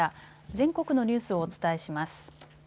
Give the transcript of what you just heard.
全国のニュースをお伝えします。